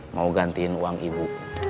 mau gantiin uang ibu